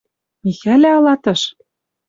— Михӓлӓ ылатыш...